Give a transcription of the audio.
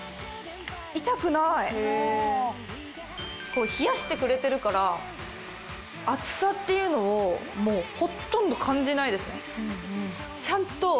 こう冷やしてくれてるから熱さっていうのをもうほとんど感じないですね。